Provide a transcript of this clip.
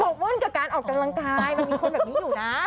ม่อนกับการออกกำลังกายมันมีคนแบบนี้อยู่นะ